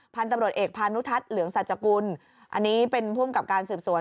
พันธุ์ตำรวจเอกพานุทัศน์เหลืองสัจกุลอันนี้เป็นภูมิกับการสืบสวน